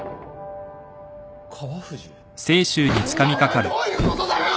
お前どういうことだよ！